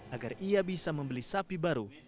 agar ia bisa membeli sapi baru